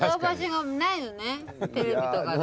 テレビとかで。